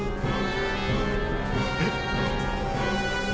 えっ！